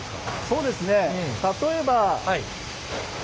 そうですね例えば。